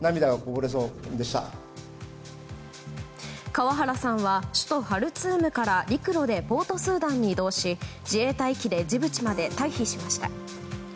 川原さんは首都ハルツームから陸路でポートスーダンに移動し自衛隊機でジブチまで退避しました。